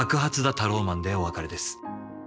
タローマン」でお別れです。